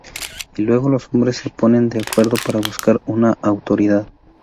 Y luego los Hombres se ponen de acuerdo para buscar una autoridad.